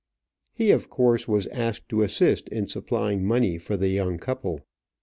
He of course was asked to assist in supplying money for the young couple.